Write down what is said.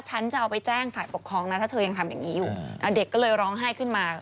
ฉันจะเอาไปแจ้งฝ่ายปกครองนะถ้าเธอยังทำอย่างนี้อยู่เด็กก็เลยร้องไห้ขึ้นมา